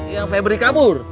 yang febri kabur